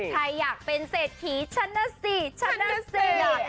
ใครอยากเป็นเศรษฐีฉันน่ะสิฉันน่ะเสีย